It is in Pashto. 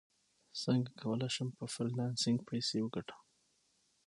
څنګه کولی شم په فریلانسینګ پیسې وګټم